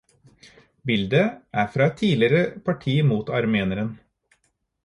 Bildet er fra et tidligere parti mot armeneren.